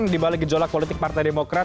di balik gejolak politik partai demokrat